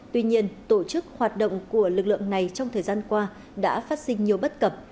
tuy nhiên tổ chức hoạt động của lực lượng này trong thời gian qua đã phát sinh nhiều bất cập